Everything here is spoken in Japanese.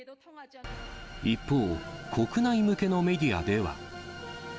一方、国内向けのメディアでは。